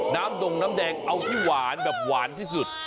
ดงน้ำแดงเอาที่หวานแบบหวานที่สุด